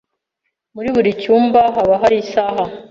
Muri buri cyumba haba hari isaha?